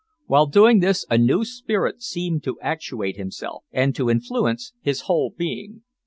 While doing this a new spirit seemed to actuate himself, and to influence his whole being.